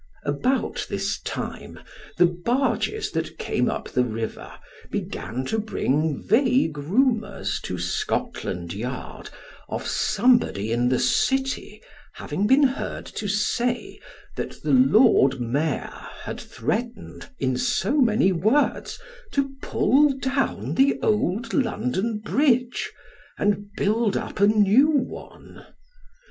About this time the barges that came up the river began to bring vague rumours to Scotland Yard of somebodyin the City having been heard to say, that the Lord Mayor had threatened in so many words to pull down the old London Bridge, and build up a new one.